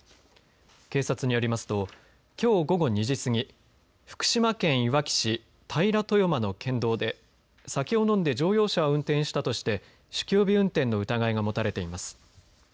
警察によりますときょう午後２時過ぎ福島県いわき市平豊間の県道で酒を飲んで乗用車を運転したとして酒気帯び運転の疑いが持たれています。